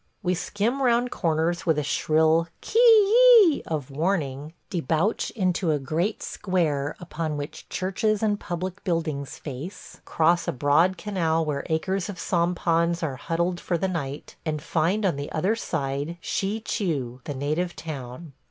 We skim around corners with a shrill ki yi! of warning; debouch into a great square upon which churches and public buildings face; cross a broad canal where acres of sampans are huddled for the night, and find on the other side Shichiu, the native town.